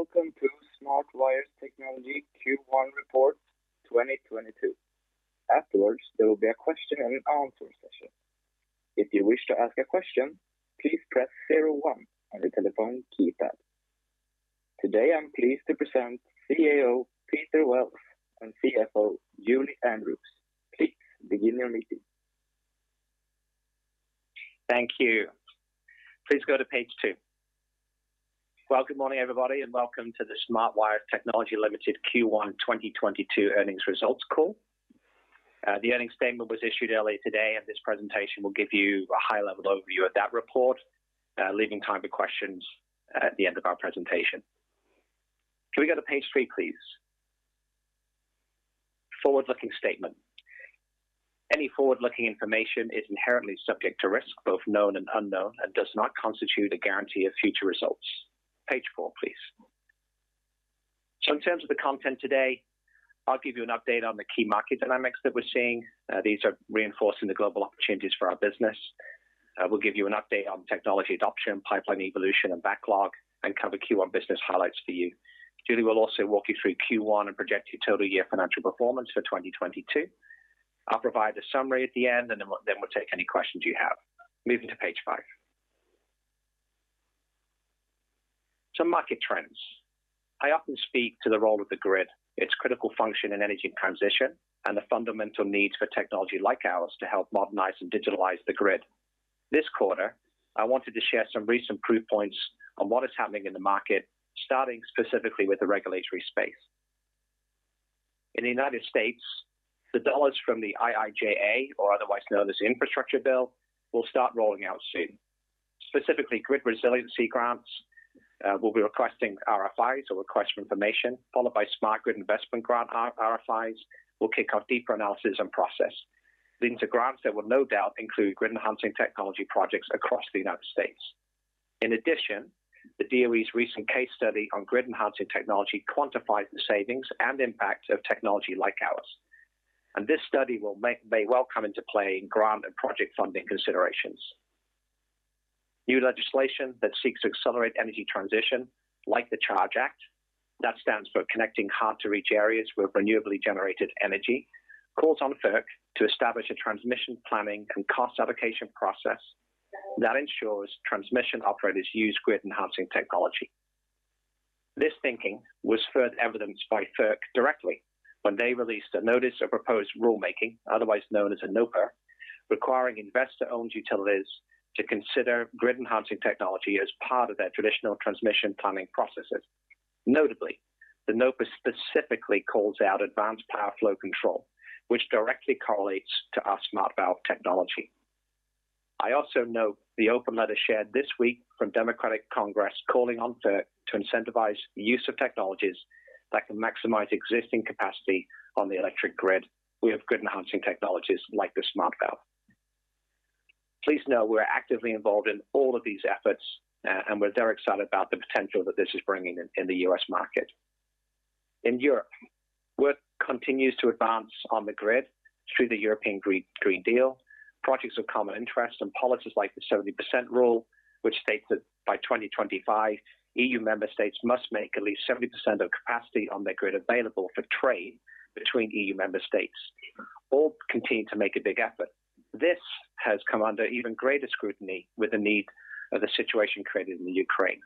Welcome to Smart Wires Technology Q1 Report 2022. Afterwards, there will be a question and answer session. If you wish to ask a question, please press zero one on your telephone keypad. Today, I'm pleased to present CEO, Peter Wells and CFO, Julie Andrews. Please begin your meeting. Thank you. Please go to page two. Well, good morning, everybody, and welcome to the Smart Wires Technology Ltd Q1 2022 earnings results call. The earnings statement was issued earlier today, and this presentation will give you a high-level overview of that report, leaving time for questions at the end of our presentation. Can we go to page three, please? Forward-looking statement. Any forward-looking information is inherently subject to risk, both known and unknown, and does not constitute a guarantee of future results. Page four, please. In terms of the content today, I'll give you an update on the key market dynamics that we're seeing. These are reinforcing the global opportunities for our business. We'll give you an update on technology adoption, pipeline evolution and backlog, and cover Q1 business highlights for you. Julie will also walk you through Q1 and projected full-year financial performance for 2022. I'll provide a summary at the end, and then we'll take any questions you have. Moving to page five. Some market trends. I often speak to the role of the grid, its critical function in energy transition, and the fundamental needs for technology like ours to help modernize and digitalize the grid. This quarter, I wanted to share some recent proof points on what is happening in the market, starting specifically with the regulatory space. In the United States, the dollars from the IIJA, or otherwise known as the Infrastructure Bill, will start rolling out soon. Specifically, grid resiliency grants will be requesting RFIs, or request for information, followed by SGIG RFIs, will kick off deeper analysis and process, leading to grants that will no doubt include grid-enhancing technology projects across the United States. In addition, the DOE's recent case study on grid-enhancing technology quantifies the savings and impact of technology like ours. This study may well come into play in grant and project funding considerations. New legislation that seeks to accelerate energy transition, like the CHARGE Act, that stands for Connecting Hard to Reach Areas with Renewably Generated Energy, calls on FERC to establish a transmission planning and cost allocation process that ensures transmission operators use grid-enhancing technology. This thinking was further evidenced by FERC directly when they released a notice of proposed rulemaking, otherwise known as a NOPR, requiring investor-owned utilities to consider grid-enhancing technology as part of their traditional transmission planning processes. Notably, the NOPR specifically calls out advanced power flow control, which directly correlates to our SmartValve technology. I also note the open letter shared this week from Congressional Democrats calling on FERC to incentivize the use of technologies that can maximize existing capacity on the electric grid with grid-enhancing technologies like the SmartValve. Please know we're actively involved in all of these efforts and we're very excited about the potential that this is bringing in the U.S. market. In Europe, work continues to advance on the grid through the European Green Deal. Projects of Common Interest and policies like the seventy percent rule, which states that by 2025, EU member states must make at least 70% of capacity on their grid available for trade between EU member states, all continue to make a big effort. This has come under even greater scrutiny with the need of the situation created in the Ukraine.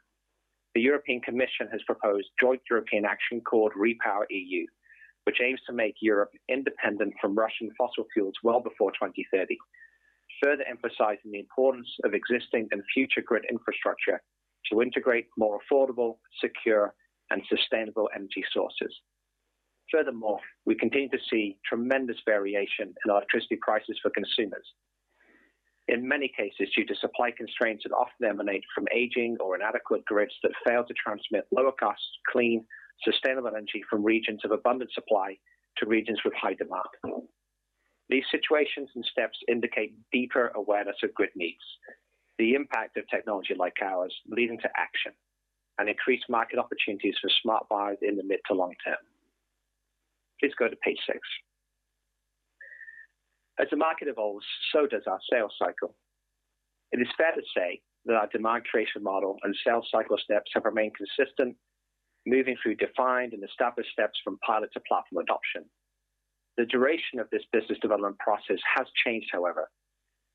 The European Commission has proposed joint European action called REPowerEU, which aims to make Europe independent from Russian fossil fuels well before 2030, further emphasizing the importance of existing and future grid infrastructure to integrate more affordable, secure, and sustainable energy sources. Furthermore, we continue to see tremendous variation in electricity prices for consumers. In many cases, due to supply constraints that often emanate from aging or inadequate grids that fail to transmit lower costs, clean, sustainable energy from regions of abundant supply to regions with high demand. These situations and steps indicate deeper awareness of grid needs, the impact of technology like ours leading to action and increased market opportunities for Smart Wires in the mid to long term. Please go to page six. As the market evolves, so does our sales cycle. It is fair to say that our demand creation model and sales cycle steps have remained consistent, moving through defined and established steps from pilot to platform adoption. The duration of this business development process has changed, however,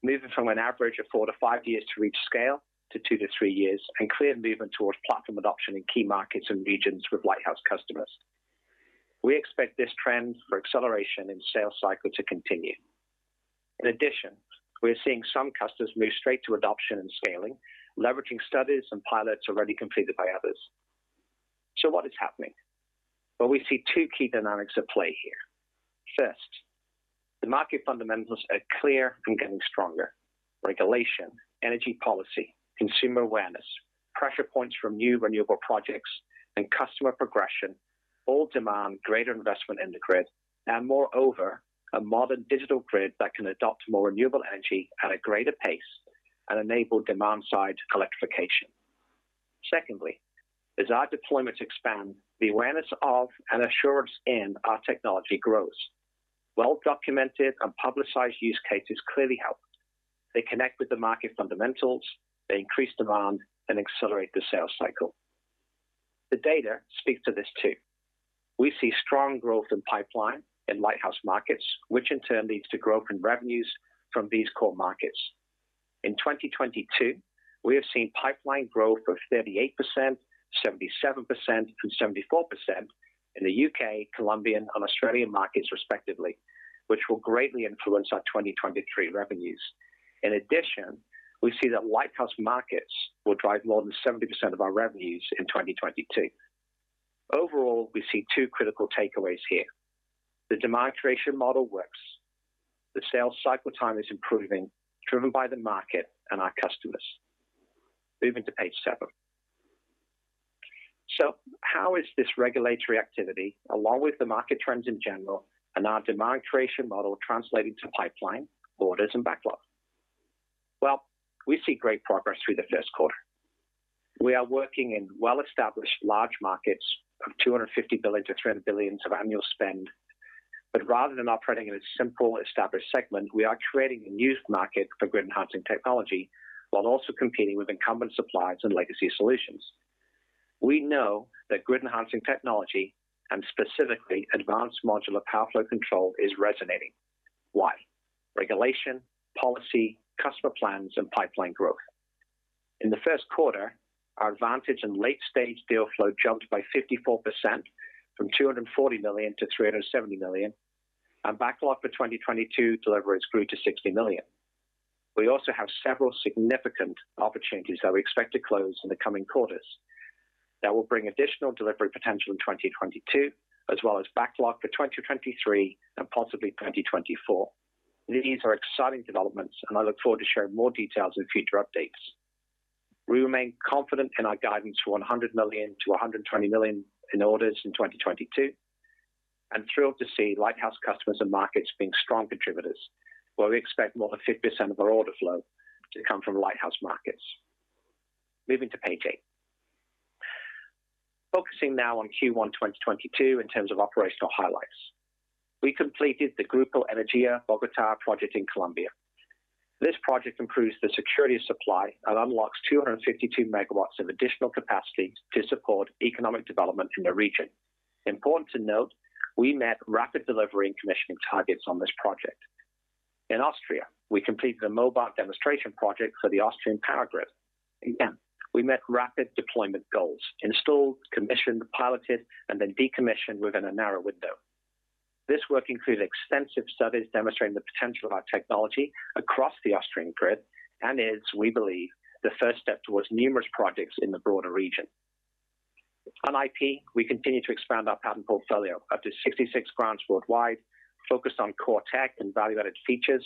moving from an average of four to five years to reach scale to two to three years, and clear movement towards platform adoption in key markets and regions with lighthouse customers. We expect this trend for acceleration in sales cycle to continue. In addition, we're seeing some customers move straight to adoption and scaling, leveraging studies and pilots already completed by others. What is happening? Well, we see two key dynamics at play here. First, the market fundamentals are clear and getting stronger. Regulation, energy policy, consumer awareness, pressure points from new renewable projects, and customer progression all demand greater investment in the grid, and moreover, a modern digital grid that can adopt more renewable energy at a greater pace and enable demand-side electrification. Secondly, as our deployments expand, the awareness of and assurance in our technology grows. Well-documented and publicized use cases clearly help. They connect with the market fundamentals, they increase demand and accelerate the sales cycle. The data speaks to this too. We see strong growth in pipeline in lighthouse markets, which in turn leads to growth in revenues from these core markets. In 2022, we have seen pipeline growth of 38%, 77%, and 74% in the U.K., Colombian and Australian markets respectively, which will greatly influence our 2023 revenues. In addition, we see that lighthouse markets will drive more than 70% of our revenues in 2022. Overall, we see two critical takeaways here. The demand creation model works. The sales cycle time is improving, driven by the market and our customers. Moving to page seven. How is this regulatory activity, along with the market trends in general and our demand creation model translating to pipeline, orders and backlog? Well, we see great progress through the first quarter. We are working in well-established large markets of $200 billion-$300 billion of annual spend. Rather than operating in a simple established segment, we are creating a new market for grid-enhancing technology while also competing with incumbent suppliers and legacy solutions. We know that grid-enhancing technology and specifically advanced modular power flow control is resonating. Why? Regulation, policy, customer plans and pipeline growth. In the first quarter, our advantage in late stage deal flow jumped by 54% from $240 million to $370 million, and backlog for 2022 deliveries grew to $60 million. We also have several significant opportunities that we expect to close in the coming quarters that will bring additional delivery potential in 2022, as well as backlog for 2023 and possibly 2024. These are exciting developments and I look forward to sharing more details in future updates. We remain confident in our guidance for $100 million-$120 million in orders in 2022, and thrilled to see lighthouse customers and markets being strong contributors, where we expect more than 50% of our order flow to come from lighthouse markets. Moving to page eight. Focusing now on Q1 2022 in terms of operational highlights. We completed the Grupo Energía Bogotá project in Colombia. This project improves the security of supply and unlocks 252 MW of additional capacity to support economic development in the region. Important to note, we met rapid delivery and commissioning targets on this project. In Austria, we completed the MOVAT demonstration project for the Austrian Power Grid. Again, we met rapid deployment goals, installed, commissioned, piloted and then decommissioned within a narrow window. This work includes extensive studies demonstrating the potential of our technology across the Austrian grid and is, we believe, the first step towards numerous projects in the broader region. On IP, we continue to expand our patent portfolio up to 66 grants worldwide, focused on core tech and value-added features.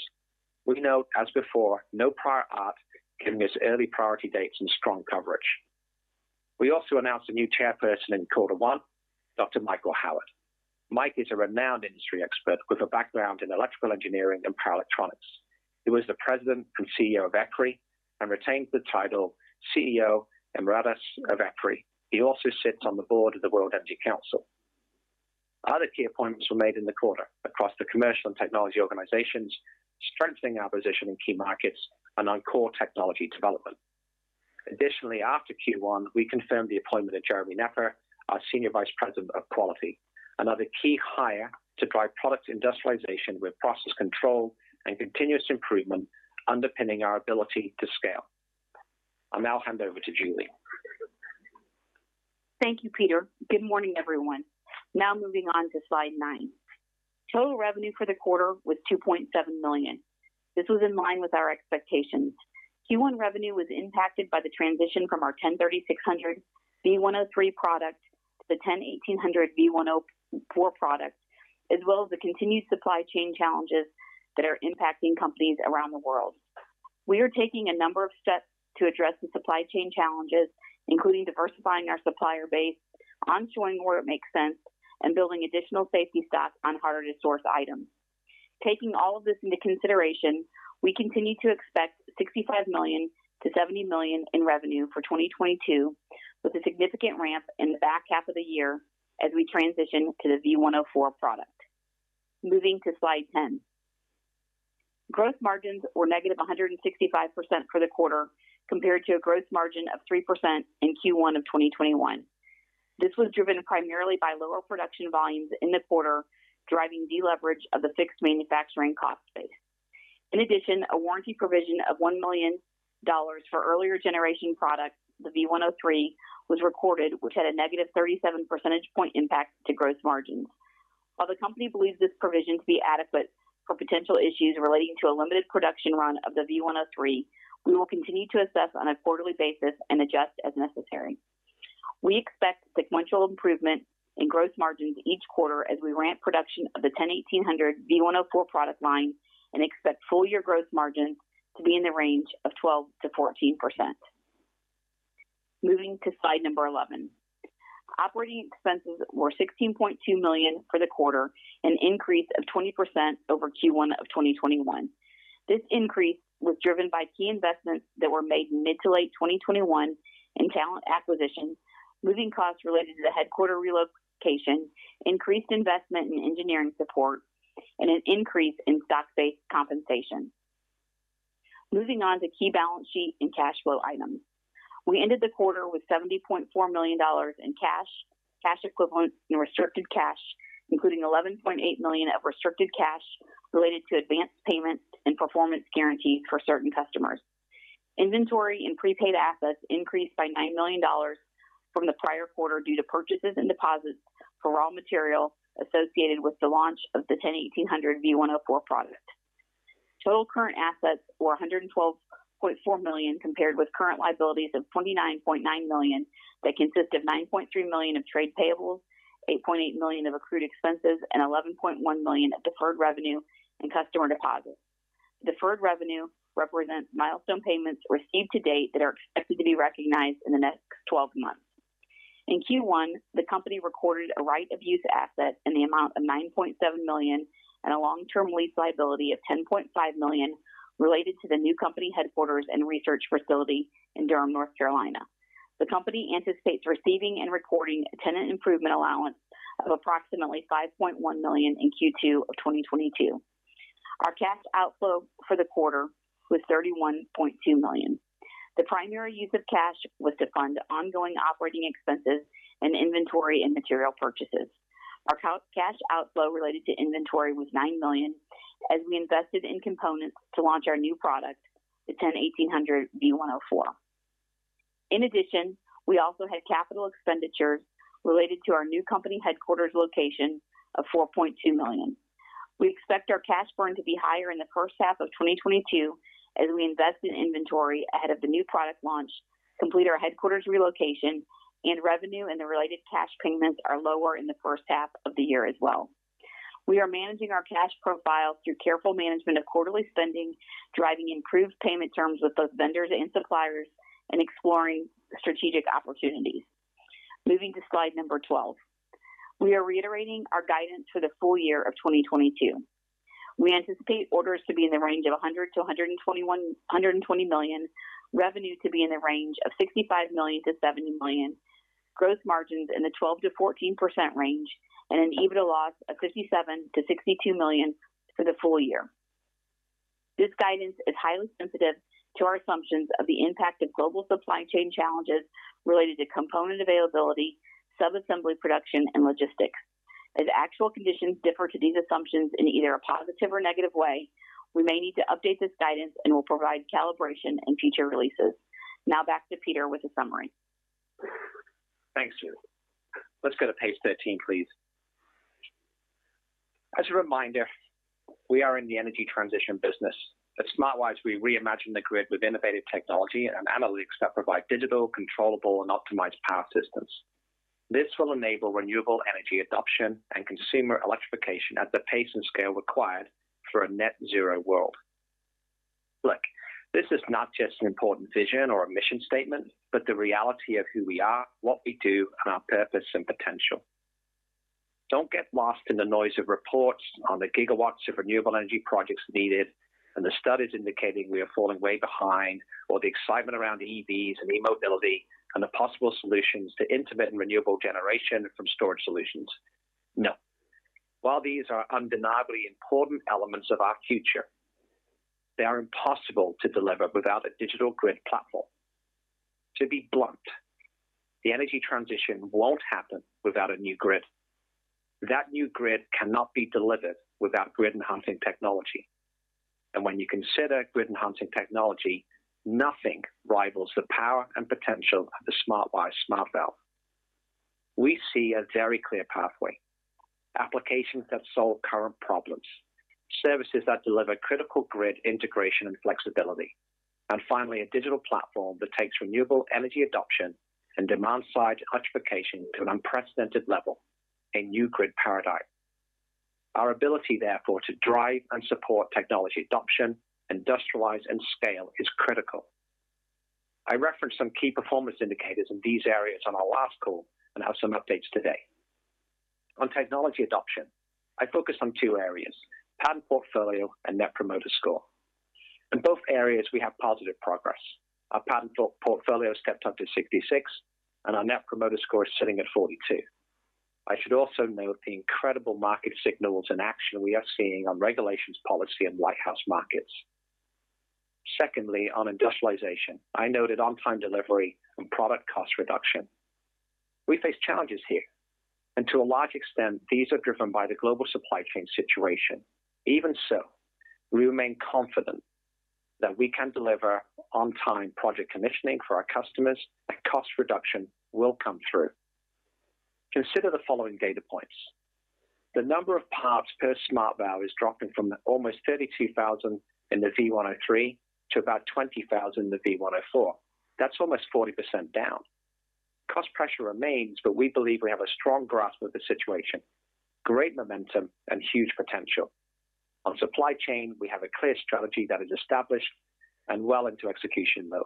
We note, as before, no prior art giving us early priority dates and strong coverage. We also announced a new chairperson in quarter one, Dr. Michael Howard. Mike is a renowned industry expert with a background in electrical engineering and power electronics. He was the president and CEO of EPRI and retains the title CEO Emeritus of EPRI. He also sits on the board of the World Energy Council. Other key appointments were made in the quarter across the commercial and technology organizations, strengthening our position in key markets and on core technology development. Additionally, after Q1, we confirmed the appointment of Jeremy Knepper, our Senior Vice President of Quality, another key hire to drive product industrialization with process control and continuous improvement underpinning our ability to scale. I'll now hand over to Julie. Thank you, Peter. Good morning, everyone. Now moving on to slide nine. Total revenue for the quarter was $2.7 million. This was in line with our expectations. Q1 revenue was impacted by the transition from our 10-3600 v1.03 product to the 10-1800 v1.04 product, as well as the continued supply chain challenges that are impacting companies around the world. We are taking a number of steps to address the supply chain challenges, including diversifying our supplier base, onshoring where it makes sense, and building additional safety stocks on harder to source items. Taking all of this into consideration, we continue to expect $65 million-$70 million in revenue for 2022, with a significant ramp in the back half of the year as we transition to the v1.04 product. Moving to slide 10. Gross margins were negative 165% for the quarter, compared to a gross margin of 3% in Q1 of 2021. This was driven primarily by lower production volumes in the quarter, driving deleverage of the fixed manufacturing cost base. In addition, a warranty provision of $1 million for earlier generation products, the v1.03, was recorded, which had a negative 37 percentage point impact to gross margins. While the company believes this provision to be adequate for potential issues relating to a limited production run of the v1.03, we will continue to assess on a quarterly basis and adjust as necessary. We expect sequential improvement in gross margins each quarter as we ramp production of the 10-1800 V1.04 product line and expect full-year gross margins to be in the range of 12%-14%. Moving to slide 11. Operating expenses were $16.2 million for the quarter, an increase of 20% over Q1 of 2021. This increase was driven by key investments that were made in mid- to late 2021 in talent acquisitions, moving costs related to the headquarters relocation, increased investment in engineering support, and an increase in stock-based compensation. Moving on to key balance sheet and cash flow items. We ended the quarter with $70.4 million in cash equivalents, and restricted cash, including $11.8 million of restricted cash related to advance payments and performance guarantees for certain customers. Inventory and prepaid assets increased by $9 million from the prior quarter due to purchases and deposits for raw material associated with the launch of the 10-1800 v1.04 product. Total current assets were $112.4 million, compared with current liabilities of $29.9 million that consist of $9.3 million of trade payables, $8.8 million of accrued expenses, and $11.1 million of deferred revenue and customer deposits. Deferred revenue represents milestone payments received to date that are expected to be recognized in the next 12 months. In Q1, the company recorded a right-of-use asset in the amount of $9.7 million and a long-term lease liability of $10.5 million related to the new company headquarters and research facility in Durham, North Carolina. The company anticipates receiving and recording a tenant improvement allowance of approximately $5.1 million in Q2 of 2022. Our cash outflow for the quarter was $31.2 million. The primary use of cash was to fund ongoing operating expenses and inventory and material purchases. Our cash outflow related to inventory was $9 million as we invested in components to launch our new product, the 10-1800 v1.04. In addition, we also had capital expenditures related to our new company headquarters location of $4.2 million. We expect our cash burn to be higher in the first half of 2022 as we invest in inventory ahead of the new product launch, complete our headquarters relocation, and revenue and the related cash payments are lower in the first half of the year as well. We are managing our cash profile through careful management of quarterly spending, driving improved payment terms with both vendors and suppliers, and exploring strategic opportunities. Moving to slide 12. We are reiterating our guidance for the full year of 2022. We anticipate orders to be in the range of $100 million-$120 million, revenue to be in the range of $65 million-$70 million, gross margins in the 12%-14% range, and an EBITDA loss of $57 million-$62 million for the full year. This guidance is highly sensitive to our assumptions of the impact of global supply chain challenges related to component availability, sub-assembly production, and logistics. As actual conditions differ from these assumptions in either a positive or negative way, we may need to update this guidance and will provide calibration in future releases. Now back to Peter with a summary. Thanks, Julie. Let's go to page 13, please. As a reminder, we are in the energy transition business. At Smart Wires, we reimagine the grid with innovative technology and analytics that provide digital, controllable, and optimized power systems. This will enable renewable energy adoption and consumer electrification at the pace and scale required for a net zero world. Look, this is not just an important vision or a mission statement, but the reality of who we are, what we do, and our purpose and potential. Don't get lost in the noise of reports on the gigawatts of renewable energy projects needed and the studies indicating we are falling way behind, or the excitement around EVs and e-mobility and the possible solutions to intermittent renewable generation from storage solutions. No. While these are undeniably important elements of our future, they are impossible to deliver without a digital grid platform. To be blunt, the energy transition won't happen without a new grid. That new grid cannot be delivered without grid-enhancing technology. When you consider grid-enhancing technology, nothing rivals the power and potential of the Smart Wires SmartValve. We see a very clear pathway. Applications that solve current problems, services that deliver critical grid integration and flexibility, and finally, a digital platform that takes renewable energy adoption and demand-side electrification to an unprecedented level, a new grid paradigm. Our ability, therefore, to drive and support technology adoption, industrialize, and scale is critical. I referenced some key performance indicators in these areas on our last call and have some updates today. On technology adoption, I focus on two areas, patent portfolio and Net Promoter Score. In both areas, we have positive progress. Our patent portfolio stepped up to 66, and our Net Promoter Score is sitting at 42. I should also note the incredible market signals and action we are seeing on regulations, policy, and lighthouse markets. Secondly, on industrialization, I noted on-time delivery and product cost reduction. We face challenges here, and to a large extent, these are driven by the global supply chain situation. Even so, we remain confident that we can deliver on-time project commissioning for our customers and cost reduction will come through. Consider the following data points. The number of parts per SmartValve is dropping from almost 32,000 in the v1.03 to about 20,000 in the v1.04. That's almost 40% down. Cost pressure remains, but we believe we have a strong grasp of the situation, great momentum, and huge potential. On supply chain, we have a clear strategy that is established and well into execution mode.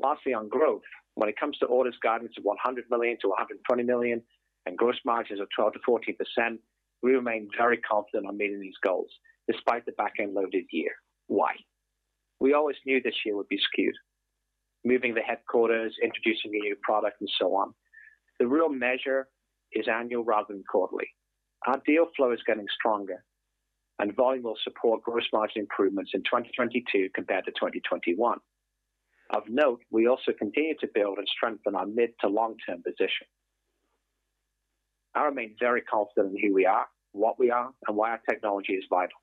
Lastly, on growth, when it comes to orders guidance of $100 million-$120 million and gross margins of 12%-14%, we remain very confident on meeting these goals despite the back-end-loaded year. Why? We always knew this year would be skewed. Moving the headquarters, introducing a new product, and so on. The real measure is annual rather than quarterly. Our deal flow is getting stronger and volume will support gross margin improvements in 2022 compared to 2021. Of note, we also continue to build and strengthen our mid- to long-term position. I remain very confident in who we are, what we are, and why our technology is vital.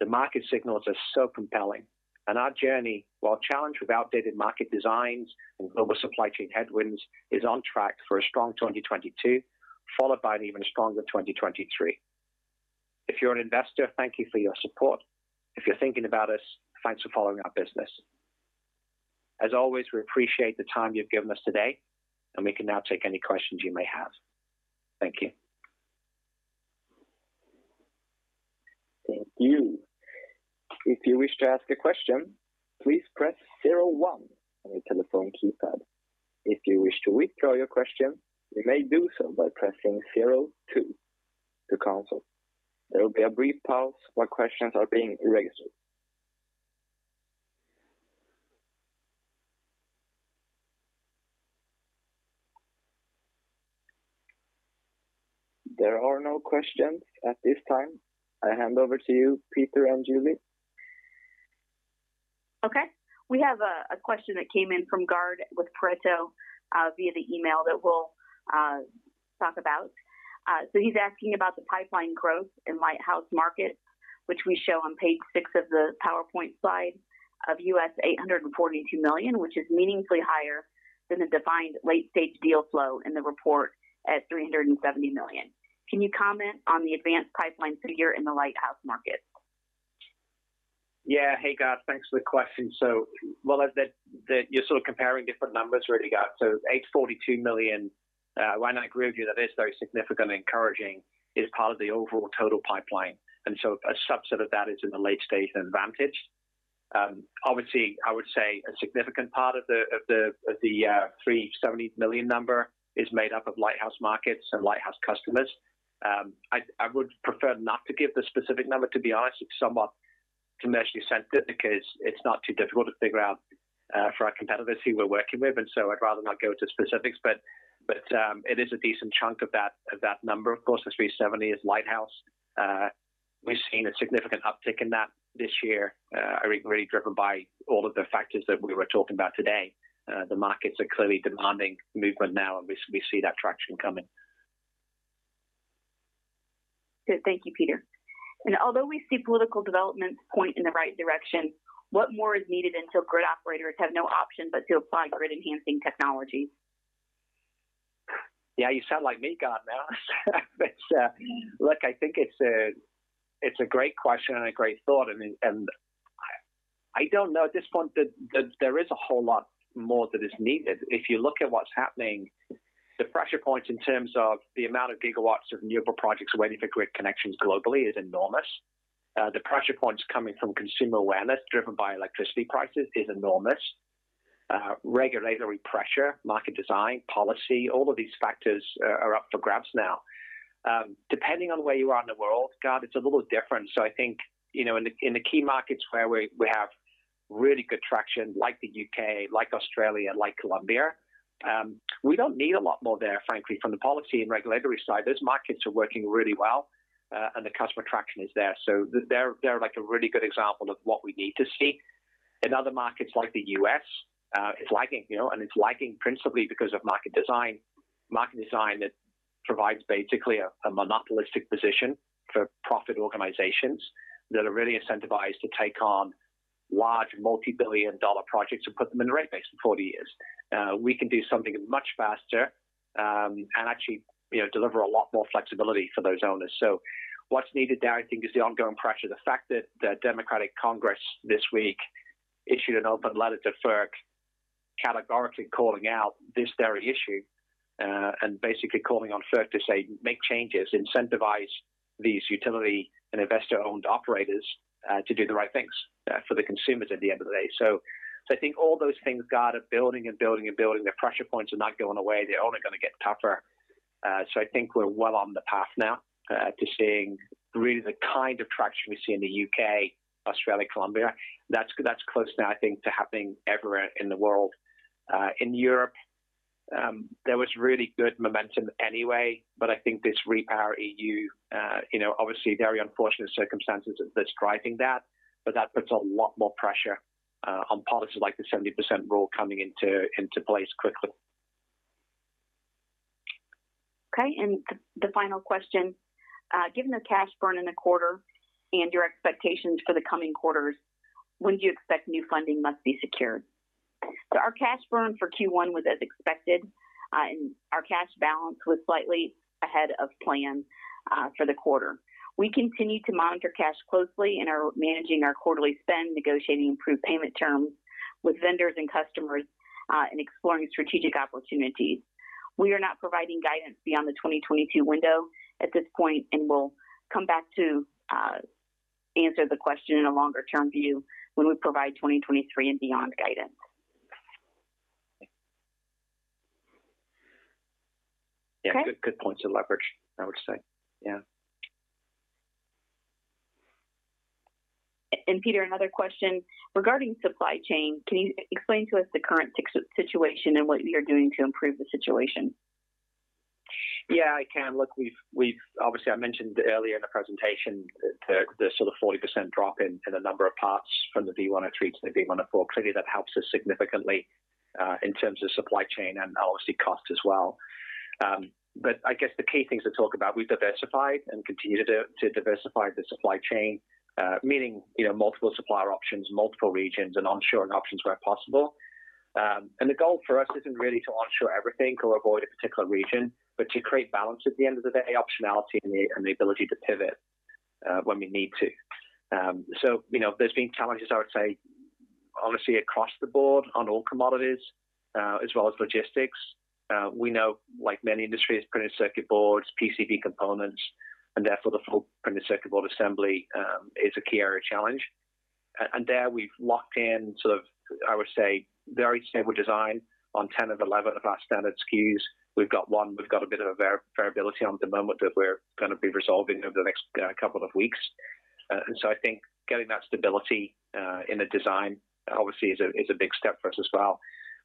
The market signals are so compelling and our journey, while challenged with outdated market designs and global supply chain headwinds, is on track for a strong 2022, followed by an even stronger 2023. If you're an investor, thank you for your support. If you're thinking about us, thanks for following our business. As always, we appreciate the time you've given us today, and we can now take any questions you may have. Thank you. Thank you. If you wish to ask a question, please press zero one on your telephone keypad. If you wish to withdraw your question, you may do so by pressing zero two to cancel. There will be a brief pause while questions are being registered. There are no questions at this time. I hand over to you, Peter and Julie. Okay. We have a question that came in from Gard with Pareto via the email that we'll talk about. He's asking about the pipeline growth in Lighthouse Market, which we show on page six of the PowerPoint slide of $842 million, which is meaningfully higher than the defined late-stage deal flow in the report at $370 million. Can you comment on the advanced pipeline figure in the Lighthouse Market? Yeah. Hey, Gard. Thanks for the question. Well, that you're sort of comparing different numbers really, Gard. $842 million, I do agree with you that it is very significant and encouraging, is part of the overall total pipeline. A subset of that is in the late-stage advancement. Obviously, I would say a significant part of the $370 million number is made up of Lighthouse markets and Lighthouse customers. I would prefer not to give the specific number, to be honest. It's somewhat commercially sensitive because it's not too difficult to figure out for our competitors who we're working with. I'd rather not go to specifics. But it is a decent chunk of that number. Of course, the $370 million is Lighthouse. We've seen a significant uptick in that this year, really driven by all of the factors that we were talking about today. The markets are clearly demanding movement now, and we see that traction coming. Good. Thank you, Peter. Although we see political developments point in the right direction, what more is needed until grid operators have no option but to apply grid enhancing technologies? Yeah, you sound like me, Gard, now. Look, I think it's a great question and a great thought. I don't know. At this point, there is a whole lot more that is needed. If you look at what's happening, the pressure points in terms of the amount of gigawatts of renewable projects waiting for grid connections globally is enormous. The pressure points coming from consumer awareness driven by electricity prices is enormous. Regulatory pressure, market design, policy, all of these factors are up for grabs now. Depending on where you are in the world, Gard, it's a little different. I think, you know, in the key markets where we have really good traction, like the U.K., like Australia, like Colombia, we don't need a lot more there, frankly, from the policy and regulatory side. Those markets are working really well, and the customer traction is there. They're like a really good example of what we need to see. In other markets like the U.S., it's lagging, you know. It's lagging principally because of market design that provides basically a monopolistic position for for-profit organizations that are really incentivized to take on large multi-billion-dollar projects and put them in the rate base for 40 years. We can do something much faster, and actually, you know, deliver a lot more flexibility for those owners. What's needed there, I think, is the ongoing pressure. The fact that the Congressional Democrats this week issued an open letter to FERC categorically calling out this very issue, and basically calling on FERC to say, make changes, incentivize these utility and investor-owned operators, to do the right things, for the consumers at the end of the day. I think all those things, Gard, are building and building and building. The pressure points are not going away. They're only gonna get tougher. I think we're well on the path now, to seeing really the kind of traction we see in the U.K., Australia, Colombia. That's close now, I think, to happening everywhere in the world. In Europe, there was really good momentum anyway, but I think this REPowerEU, you know, obviously very unfortunate circumstances that's driving that, but that puts a lot more pressure on policies like the 70% rule coming into place quickly. Okay. The final question. Given the cash burn in the quarter and your expectations for the coming quarters, when do you expect new funding must be secured? Our cash burn for Q1 was as expected, and our cash balance was slightly ahead of plan for the quarter. We continue to monitor cash closely and are managing our quarterly spend, negotiating improved payment terms with vendors and customers, and exploring strategic opportunities. We are not providing guidance beyond the 2022 window at this point, and we'll come back to answer the question in a longer-term view when we provide 2023 and beyond guidance. Yeah. Okay. Good, good points of leverage, I would say. Yeah. Peter, another question. Regarding supply chain, can you explain to us the current situation and what you're doing to improve the situation? Yeah, I can. Look, obviously I mentioned earlier in the presentation the sort of 40% drop in the number of parts from the V103 to the V104. Clearly, that helps us significantly in terms of supply chain and obviously cost as well. I guess the key things to talk about, we've diversified and continue to diversify the supply chain, meaning, you know, multiple supplier options, multiple regions and onshoring options where possible. The goal for us isn't really to onshore everything or avoid a particular region, but to create balance at the end of the day, optionality and the ability to pivot when we need to. You know, there's been challenges, I would say, obviously across the board on all commodities as well as logistics. We know, like many industries, printed circuit boards, PCB components, and therefore the full printed circuit board assembly is a key area challenge. There we've locked in sort of, I would say, very stable design on 10 of 11 of our standard SKUs. We've got one, we've got a bit of a variability on at the moment that we're gonna be resolving over the next couple of weeks. I think getting that stability in a design obviously is a big step for us as well.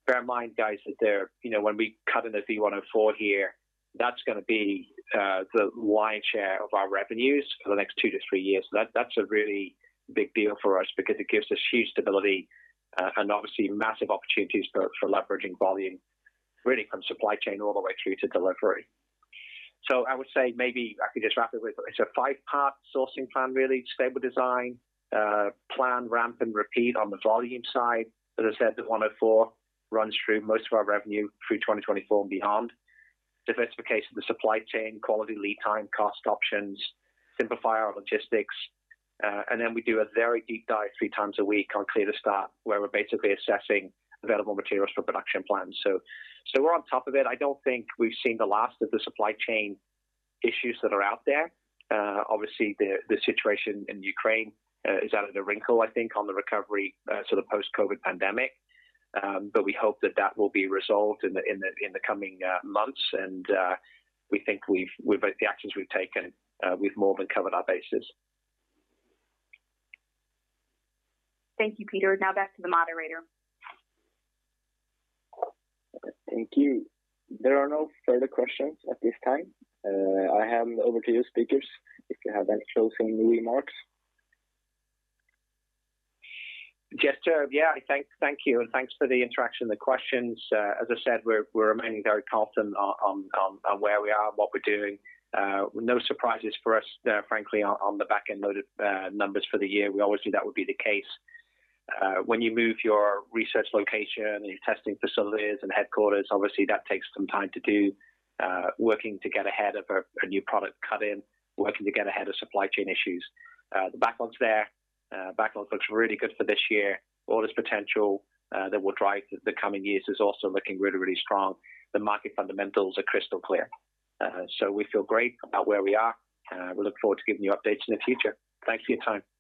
Bear in mind, guys, that, you know, when we cut in a V104 here, that's gonna be the lion's share of our revenues for the next two to three years. That's a really big deal for us because it gives us huge stability and obviously massive opportunities for leveraging volume really from supply chain all the way through to delivery. I would say maybe I could just wrap it with it's a five-part sourcing plan really, stable design, plan, ramp and repeat on the volume side. As I said, the 104 runs through most of our revenue through 2024 and beyond. Diversification of the supply chain, quality, lead time, cost options, simplify our logistics. And then we do a very deep dive three times a week on clear to start, where we're basically assessing available materials for production plans. We're on top of it. I don't think we've seen the last of the supply chain issues that are out there. Obviously the situation in Ukraine is adding a wrinkle, I think, on the recovery sort of post-COVID pandemic. We hope that will be resolved in the coming months. We think with both the actions we've taken, we've more than covered our bases. Thank you, Peter. Now back to the moderator. Thank you. There are no further questions at this time. I hand over to you speakers if you have any closing remarks. Yes, sure. Yeah. Thank you and thanks for the interaction, the questions. As I said, we're remaining very confident on where we are and what we're doing. No surprises for us there frankly, on the back-end load of numbers for the year. We always knew that would be the case. When you move your research location, your testing facilities and headquarters, obviously that takes some time to do. Working to get ahead of a new product cut in, working to get ahead of supply chain issues, the backlogs there. Backlog looks really good for this year. All this potential that we'll drive the coming years is also looking really, really strong. The market fundamentals are crystal clear. We feel great about where we are. We look forward to giving you updates in the future. Thanks for your time.